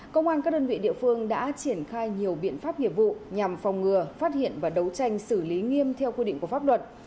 công an các đơn vị địa phương đã triển khai nhiều biện pháp nghiệp vụ nhằm phòng ngừa phát hiện và đấu tranh xử lý nghiêm theo quy định của pháp luật